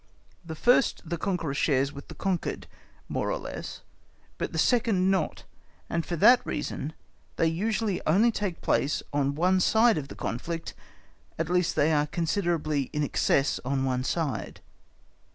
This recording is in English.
The first the conqueror shares with the conquered, more or less, but the second not; and for that reason they usually only take place on one side of the conflict, at least, they are considerably in excess on one side.